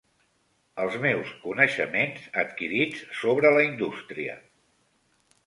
Els meus coneixements adquirits sobre la indústria.